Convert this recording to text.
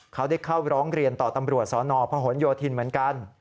เขาได้เข้าร้องเรียนต่อตำรวจสนพหนโยธินเหมือนกัน